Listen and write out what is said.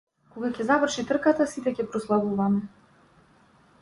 Кога ќе заврши трката сите ќе прославуваме.